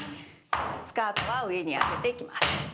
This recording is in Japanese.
スカートは上に上げていきます。